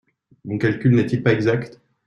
Mon calcul n’est-il pas exact ?